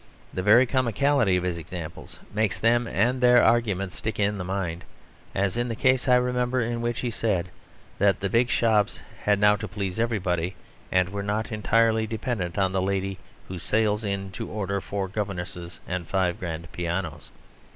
The very comicality of his examples makes them and their argument stick in the mind; as in the case I remember in which he said that the big shops had now to please everybody, and were not entirely dependent on the lady who sails in "to order four governesses and five grand pianos."